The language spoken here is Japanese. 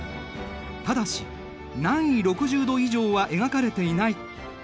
ただし南緯６０度以上は描かれていない。